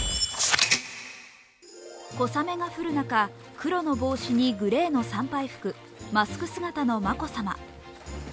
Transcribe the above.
小雨が降る中、黒の帽子にグレーの参拝服、マスク姿の眞子さま。